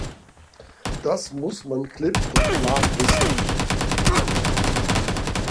Das muss man klipp und klar wissen!